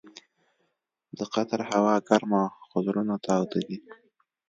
د قطر هوا ګرمه خو زړونه تاوده دي.